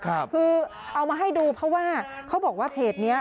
คือเอามาให้ดูเพราะว่าเขาบอกว่าเพจเนี้ย